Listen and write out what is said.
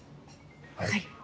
はい。